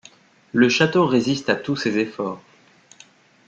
Le château résiste à tous ses efforts.